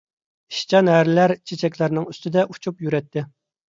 ئىشچان ھەرىلەر چېچەكلەرنىڭ ئۈستىدە ئۇچۇپ يۈرەتتى.